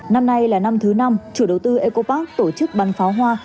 năm nay là năm thứ năm chủ đầu tư ecopark tổ chức bàn pháo hoa